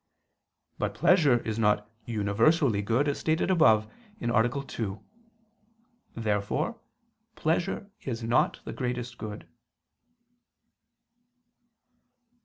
But pleasure is not universally good, as stated above (A. 2). Therefore pleasure is not the greatest good.